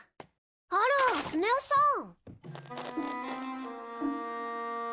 あらスネ夫さん。